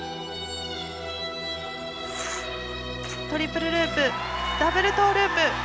トリプルループダブルトーループ。